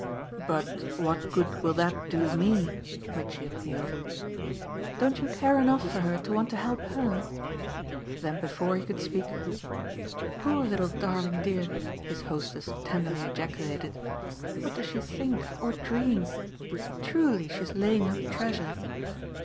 "But what good will that do me?" Mitchy appealed. "Don't you care enough for her to want to help HER?" Then before he could speak, "Poor little darling dear!" his hostess tenderly ejaculated. "What does she think or dream? Truly she's laying up treasure!"